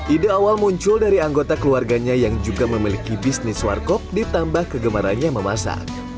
ide awal muncul dari anggota keluarganya yang juga memiliki bisnis warkop ditambah kegemarannya memasak